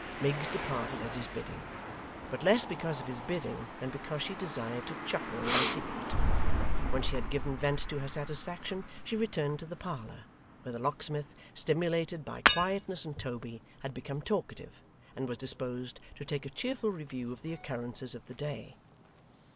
Miggs departed at his bidding, but less because of his bidding than because she desired to chuckle in secret. When she had given vent to her satisfaction, she returned to the parlour; where the locksmith, stimulated by quietness and Toby, had become talkative, and was disposed to take a cheerful review of the occurrences of the day.